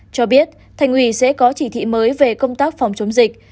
cho biết thành ủy sẽ có chỉ thị mới về công tác phòng chống dịch